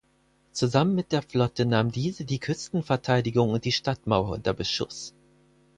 Zusammen mit der Flotte nahm diese die Küstenverteidigung und die Stadtmauer unter Beschuss.